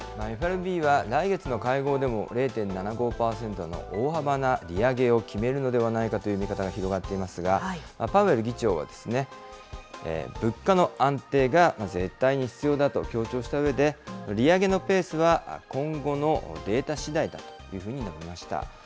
ＦＲＢは来月の会合でも０．７５％の大幅な利上げを決めるのではないかという見方が広がっていますが、パウエル議長は、物価の安定が絶対に必要だと強調したうえで、利上げのペースは、今後のデータしだいだというふうに述べました。